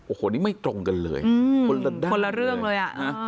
โอ้โหนี่ไม่ตรงกันเลยคนละเรื่องเลย